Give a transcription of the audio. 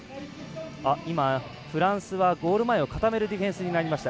フランスはゴール前を固めるディフェンスになりました。